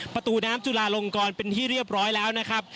ประตูน้ำจุลาลงกรเป็นที่เรียบร้อยแล้วนะครับ